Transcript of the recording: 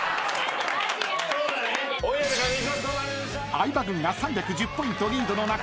［相葉軍が３１０ポイントリードの中